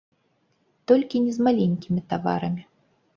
Толькі не з маленькімі таварамі.